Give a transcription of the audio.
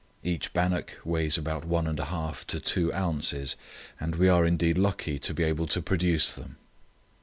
Each bannock weighs about one and a half to two ounces, and we are indeed lucky to be able to produce them."